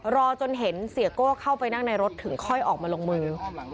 รอจนเห็นเสียโก้เข้าไปนั่งในรถถึงค่อยออกมาลงมือ